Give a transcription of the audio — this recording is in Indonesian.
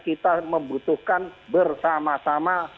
kita membutuhkan bersama sama